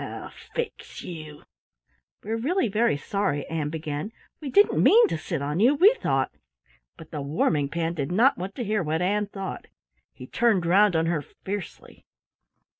I'll fix you " "We're really very sorry," Ann began. "We didn't mean to sit on you, we thought " But the Warming pan did not want to hear what Ann thought. He turned round on her fiercely.